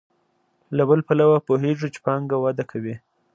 له بل پلوه پوهېږو چې پانګه وده کوي